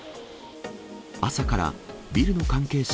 朝からビルの関係者